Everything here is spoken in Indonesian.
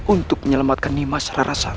untuk menyelamatkan nima selera rakyat